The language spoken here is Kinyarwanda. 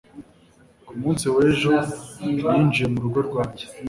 Ku munsi w'ejo, yinjiye mu rugo rwanjye.